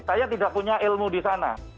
saya tidak punya ilmu di sana